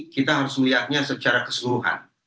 kita harus melihatnya secara keseluruhan